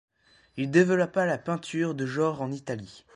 Il développa la peinture de genre en Italie.